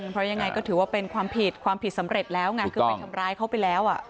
เพราะยังไงก็ถือว่าเป็นความผิดความผิดสำเร็จแล้วไงคือไปทำร้ายเขาไปแล้ว